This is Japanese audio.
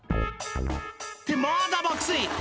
ってまだ爆睡！